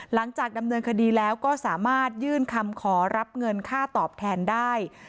หลังจากดำเนินคดีแล้วก็สามารถยื่นคำขอรับเงินค่าตอบแทนได้